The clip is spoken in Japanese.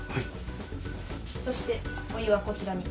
そしてお湯はこちらに。